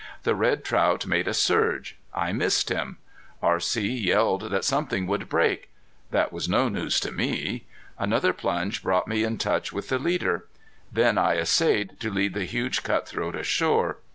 The red trout made a surge. I missed him. R.C. yelled that something would break. That was no news to me. Another plunge brought me in touch with the leader. Then I essayed to lead the huge cutthroat ashore.